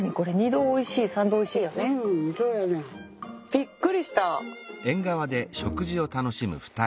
びっくりした！